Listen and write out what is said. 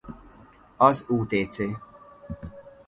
Az utc